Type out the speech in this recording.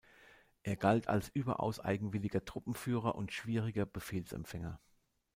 Er galt als überaus eigenwilliger Truppenführer und schwieriger Befehlsempfänger.